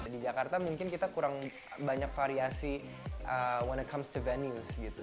di jakarta mungkin kita kurang banyak variasi when it comes to venues gitu